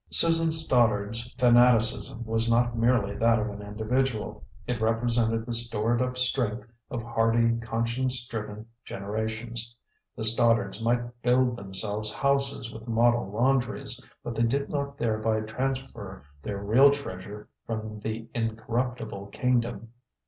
Susan Stoddard's fanaticism was not merely that of an individual; it represented the stored up strength of hardy, conscience driven generations. The Stoddards might build themselves houses with model laundries, but they did not thereby transfer their real treasure from the incorruptible kingdom.